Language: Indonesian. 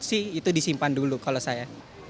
itu disimpan dulu kalau saya